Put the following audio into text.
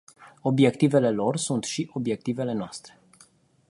Obiectivele lor sunt și obiectivele noastre.